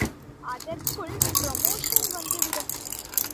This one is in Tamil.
அதற்குள் புரமோஷன் வந்துவிடும்.